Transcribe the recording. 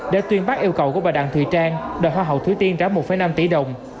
đã tuyên bác yêu cầu của bà đặng thùy trang đòi hoa hậu thùy tiên ra một năm tỷ đồng